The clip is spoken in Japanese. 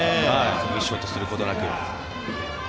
ミスショットすることなく。